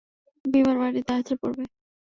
বিমান মাটিতে আছড়ে পড়বে।